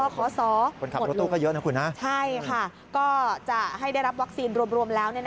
ขอสอบมกมขอสอบหมดลงใช่ค่ะก็จะให้ได้รับวัคซีนรวมแล้ว